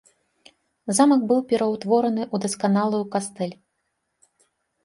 Замак быў пераўтвораны ў дасканалую кастэль.